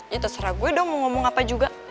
ya terserah gue dong mau ngomong apa juga